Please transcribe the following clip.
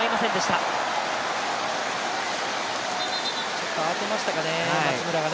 ちょっと慌てましたかね、松村が。